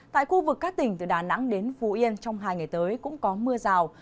tại khu vực các tỉnh từ đà nẵng đến phú yên trong hai ngày tới cũng có mưa rào